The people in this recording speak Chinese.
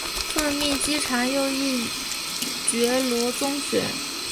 奉命稽查右翼觉罗宗学。